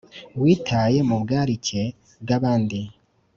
witaye mu bwarike bwabandi